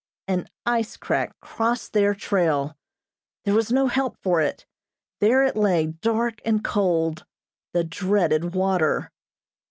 An ice crack crossed their trail. There was no help for it. There it lay, dark and cold the dreaded water.